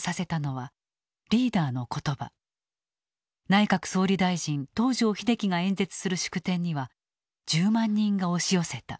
内閣総理大臣東條英機が演説する祝典には１０万人が押し寄せた。